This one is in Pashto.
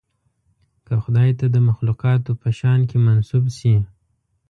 که خدای ته د مخلوقاتو په شأن کې منسوب شي.